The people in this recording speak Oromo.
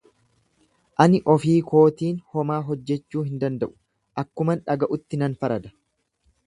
Ani ofii kootiin homaa hojjachuu hin danda’u, akkuman dhaga’utti nan farada.